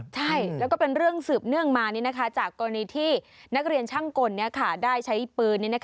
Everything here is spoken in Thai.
ใช่แล้วก็เป็นเรื่องสืบเนื่องมาจากกรณีที่นักเรียนช่างกลได้ใช้ปืน